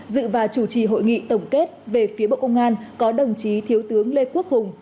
dự và chủ trì hội nghị tổng kết về phía bộ công an có đồng chí thiếu tướng lê quốc hùng